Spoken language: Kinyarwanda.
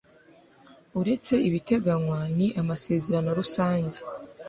uretse ibiteganywa n amasezerano rusange